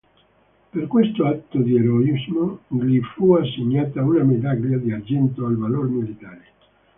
Per questo atto di eroismo gli fu assegnata una medaglia d'argento al valor militare.